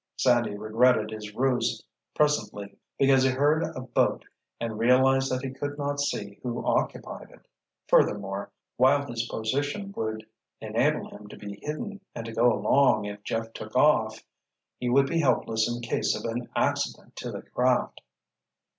Sandy regretted his ruse presently, because he heard a boat and realized that he could not see who occupied it: furthermore, while his position would enable him to be hidden and to go along if Jeff took off, he would be helpless in case of an accident to the craft.